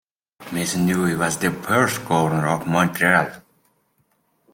Maisonneuve was the first governor of Montreal.